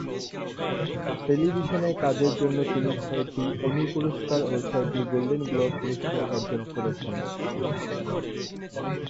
টেলিভিশনে কাজের জন্য তিনি ছয়টি এমি পুরস্কার ও ছয়টি গোল্ডেন গ্লোব পুরস্কার অর্জন করেছেন।